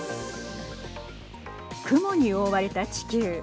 雲に覆われた地球。